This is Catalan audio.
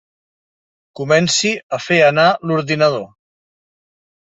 Comenci a fer anar l'ordinador.